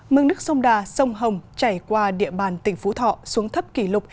mương nước sông đà sông hồng chảy qua địa bàn tỉnh phú thọ xuống thấp kỷ lục